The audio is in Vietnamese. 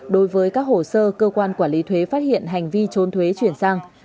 đối với các hồ sơ cơ quan quản lý thuế phát hiện hành vi trốn thuế chuyển sang